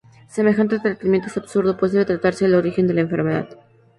Semejante tratamiento es absurdo pues debe tratarse el origen de la enfermedad.